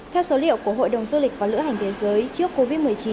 theo số liệu của hội đồng du lịch và lữ hành thế giới